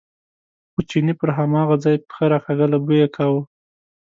خو چیني پر هماغه ځای پښه راکاږله، بوی یې کاوه.